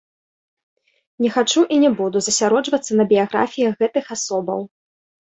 Не хачу і не буду засяроджвацца на біяграфіях гэтых асобаў.